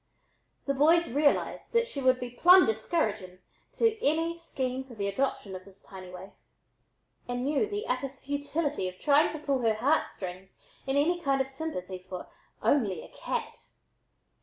The boys realized that she would be "plumb discouraging" to any scheme for the adoption of this tiny waif, and knew the utter futility of trying to pull her heartstrings in any kind of sympathy for "only a cat."